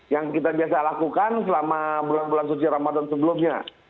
yang kita biasa lakukan selama bulan bulan suci ramadan sebelumnya